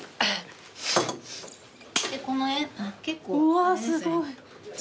うわすごい。